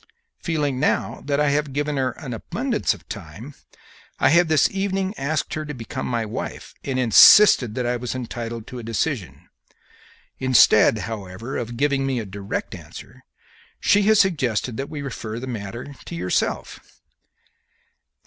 Feeling now that I have given her abundance of time I have this evening asked her to become my wife, and insisted that I was entitled to a decision. Instead, however, of giving me a direct answer, she has suggested that we refer the matter to yourself."